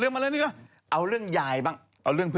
เอาเรื่องยายบ้าง